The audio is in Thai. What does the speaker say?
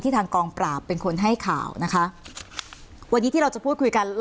ทางกองปราบเป็นคนให้ข่าวนะคะวันนี้ที่เราจะพูดคุยกัน